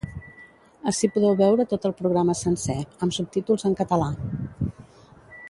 Ací podeu veure tot el programa sencer, amb subtítols en català.